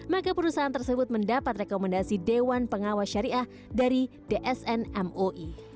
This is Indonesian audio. maka perusahaan tersebut mendapat rekomendasi dewan pengawas syariah dari dsn mui